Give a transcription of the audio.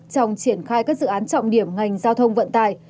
trong triển khai các dự án trọng điểm ngành giao thông vận tải